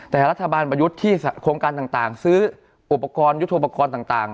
แต่รัฐบาลประยุทธ์ที่โครงการต่างซื้ออุปกรณ์ยุทธโปรกรณ์ต่าง